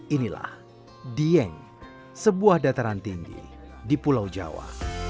inilah dieng sebuah dataran tinggi di pulau jawa